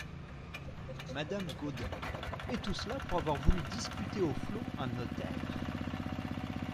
Madame Gaudin Et tout cela pour avoir voulu disputer aux flots un notaire !